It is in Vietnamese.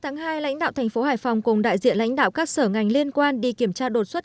ngày ba hai lãnh đạo tp hải phòng cùng đại diện lãnh đạo các sở ngành liên quan đi kiểm tra đột xuất